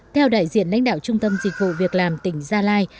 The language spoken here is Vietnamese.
theo đại diện lãnh đạo trung tâm dịch vụ việc làm tỉnh gia lai